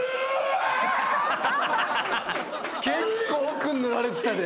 結構奥塗られてたで。